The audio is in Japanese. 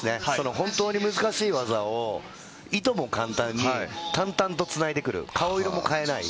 本当に難しい技をいとも簡単に淡々とつないでくる、顔色も変えない。